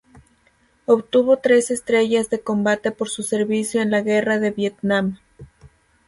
Obtuvo tres estrellas de combate por su servicio en la Guerra de Vietnam.